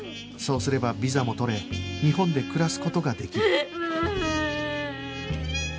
そうすればビザも取れ日本で暮らす事ができる